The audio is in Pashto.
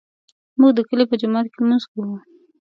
موږ د کلي په جومات کې لمونځ کوو